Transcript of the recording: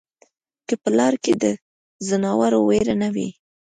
که په لاره کې د ځناورو وېره نه وای